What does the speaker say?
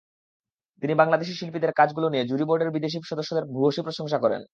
তিনি বাংলাদেশি শিল্পীদের কাজগুলো নিয়ে জুরিবোর্ডের বিদেশি সদস্যদের ভূয়সী প্রশংসা করেন।